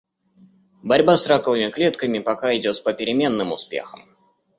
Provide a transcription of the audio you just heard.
Борьба с раковыми клетками пока идёт с попеременным успехом.